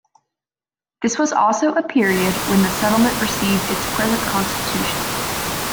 This was also a period when the settlement received its present constitution.